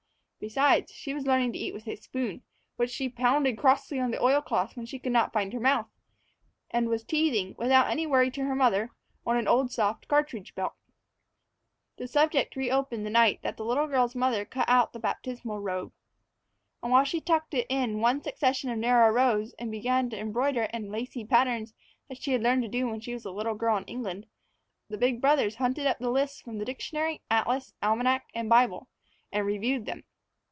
Besides, she was learning to eat with a spoon, which she pounded crossly on the oil cloth when she could not find her mouth, and was teething, without any worry to her mother, on an old soft cartridge belt. The subject reopened the night the little girl's mother cut out the baptismal robe. And while she tucked it in one succession of narrow rows and began to embroider it in lacy patterns that she had learned to do when she was a little girl in England, the big brothers hunted up the lists from the dictionary, atlas, almanac, and Bible, and reviewed them.